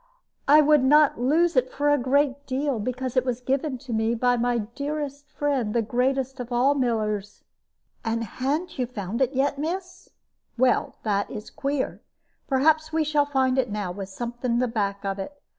I would not lose it for a great deal, because it was given to me by my dearest friend, the greatest of all millers." "And ha'n't you found it yet, miss? Well, that is queer. Perhaps we shall find it now, with something to the back of it.